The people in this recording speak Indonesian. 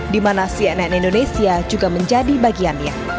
di mana si anak anak indonesia juga menjadi bagiannya